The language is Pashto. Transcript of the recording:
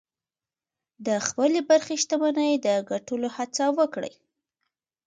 د خپلې برخې شتمني د ګټلو هڅه وکړئ.